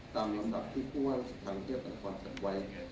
ตามหลังดับที่ผู้ว่าราชิการเที่ยวบรรทนครจัดไว้